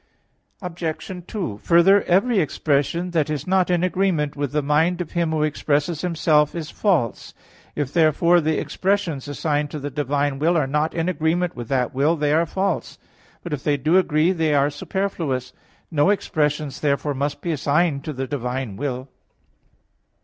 Obj. 2: Further, every expression that is not in agreement with the mind of him who expresses himself, is false. If therefore the expressions assigned to the divine will are not in agreement with that will, they are false. But if they do agree, they are superfluous. No expressions therefore must be assigned to the divine will.